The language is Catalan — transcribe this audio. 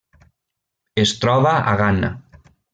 Es troba a Ghana.